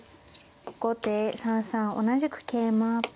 後手３三同じく桂馬。